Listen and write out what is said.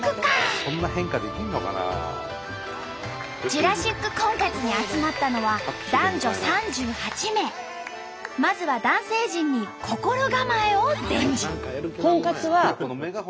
ジュラシック婚活に集まったのはまずは男性陣に心構えを伝授。